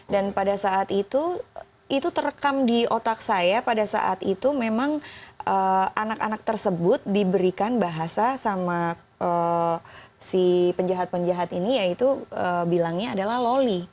dan pada saat itu itu terekam di otak saya pada saat itu memang anak anak tersebut diberikan bahasa sama si penjahat penjahat ini yaitu bilangnya adalah loli